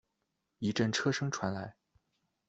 一阵车声传来